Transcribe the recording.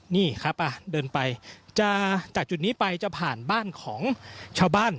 นี่ครับเดินไปจะจากจุดนี้ไปจะผ่านบ้านของชาวบ้าน